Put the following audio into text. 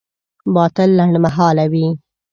باطل لنډمهاله وي.